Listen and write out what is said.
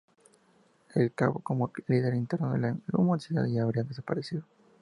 El cabo como líder se internó en la luminosidad y habría desaparecido.